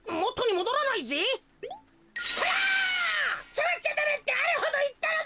さわっちゃダメってあれほどいったのだ！